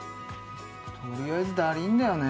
とりあえずだりいんだよね